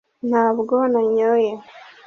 ntabwo nanyoye